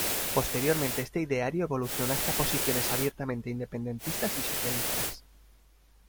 Posteriormente este ideario evolucionó hasta posiciones abiertamente independentistas y socialistas.